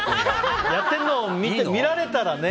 やってるの見られたらね。